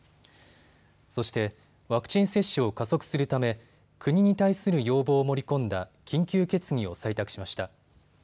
そしてワクチン接種を加速するため国に対する要望を盛り込んだ緊急決議を採択しました。